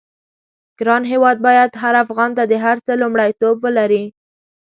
ګران هېواد بايد هر افغان ته د هر څه لومړيتوب ولري.